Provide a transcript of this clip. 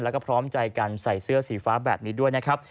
แล้วก็พร้อมใจกันใส่เสื้อสีฟ้าแบบนี้ด้วยนะครับ